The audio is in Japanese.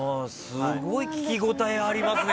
すごい聞き応えありますね